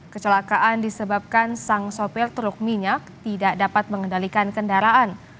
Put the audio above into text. kecelakaan disebabkan sang sopir truk minyak tidak dapat mengendalikan kendaraan